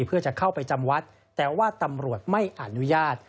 เพื่อจะเข้าไปจำวัดแต่ว่าตำรวจไม่อนุญาต